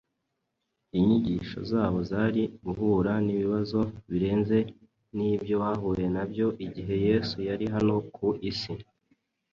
inyigisho zabo zari guhura n’ibibazo birenze n’ibyo bahuye nabyo igihe Yesu yari hano ku isi.